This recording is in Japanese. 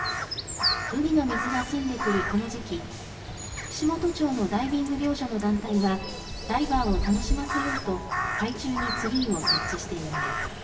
海の水が澄んでくるこの時期、串本町のダイビング業者の団体がダイバーを楽しませようと、海中にツリーを設置しているんです。